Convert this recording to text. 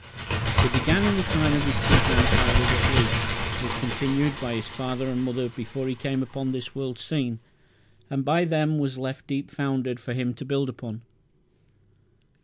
It began in the time of his two grandfathers at least, was continued by his father and mother before he came upon this world's scene, and by them was left deep founded for him to build upon.